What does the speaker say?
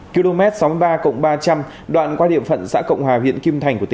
km sáu mươi ba ba trăm linh đoạn qua điểm phận xã cộng hòa huyện kim thái